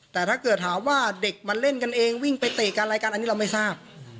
แต่ถ้าเกิดถามว่าเด็กมาเล่นกันเองวิ่งไปเตะกันอะไรกันอันนี้เราไม่ทราบ